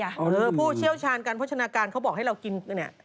หรือผู้เชี่ยวชาญการพนักพนักการณ์เขาบอกให้เรากินเนี่ย